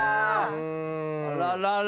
あららら